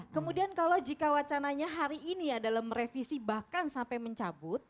kemudian kalau jika wacananya hari ini adalah merevisi bahkan sampai mencabut